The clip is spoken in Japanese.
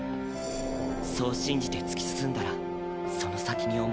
そう信じて突き進んだらその先にお前がいて。